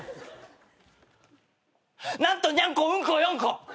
「何とニャンコうんこ４個」